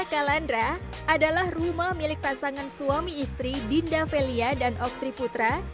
kalandra adalah rumah milik pasangan suami istri dinda velia dan oktri putra